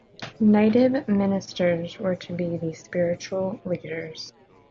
Native ministers were to be the spiritual leaders.